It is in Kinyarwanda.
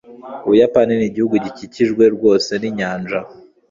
Ubuyapani nigihugu gikikijwe rwose ninyanja.